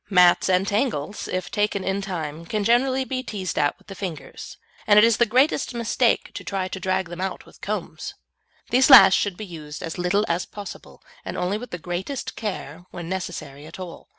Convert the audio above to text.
Mats and tangles, if taken in time, can generally be teased out with the fingers, and it is the greatest mistake to try and drag them out with combs. These last should be used as little as possible, and only with the greatest care when necessary at all.